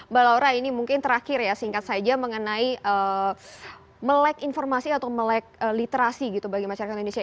mbak laura ini mungkin terakhir ya singkat saja mengenai melek informasi atau melek literasi gitu bagi masyarakat indonesia